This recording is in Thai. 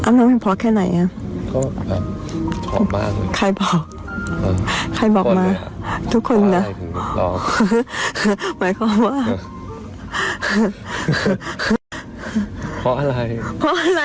ไม่ต้องพูดต่อล่ะรู้ล่ะ